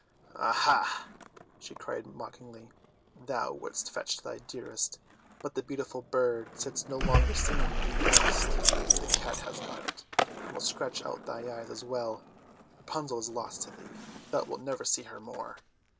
"Aha!" she cried mockingly, "Thou wouldst fetch thy dearest, but the beautiful bird sits no longer singing in the nest; the cat has got it, and will scratch out thy eyes as well. Rapunzel is lost to thee; thou wilt never see her more."